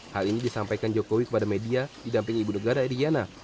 hal ini disampaikan jokowi kepada media didamping ibu negara ediana